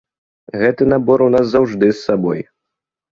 Гэты набор у нас заўжды з сабой!